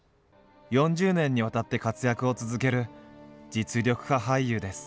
４０年にわたって活躍を続ける実力派俳優です。